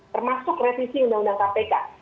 termasuk revisi undang undang kpk